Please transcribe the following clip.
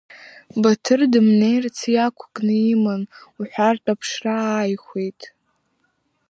Баҭыр дымнеирц иақәкны иман уҳәартә аԥшра ааихәеит.